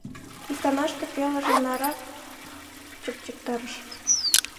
Иканаште пелыже нарак чыпчыктарыш.